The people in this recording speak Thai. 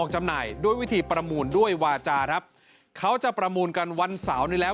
จำหน่ายด้วยวิธีประมูลด้วยวาจาครับเขาจะประมูลกันวันเสาร์นี้แล้ว